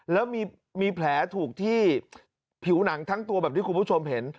แล้วมีแผลถูกที่ผิวหนังทั้งตัวแบบที่คุณผู้ชมเห็น